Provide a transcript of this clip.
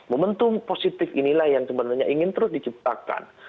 momentum positif inilah yang sebenarnya ingin terus diciptakan